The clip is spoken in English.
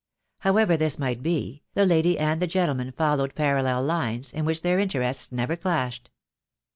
However this might be, the lady and the gentleman followed parallel lines, in which their interests never clashed.